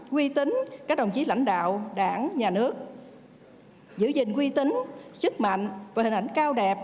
quy tính các đồng chí lãnh đạo đảng nhà nước giữ gìn quy tính sức mạnh và hình ảnh cao đẹp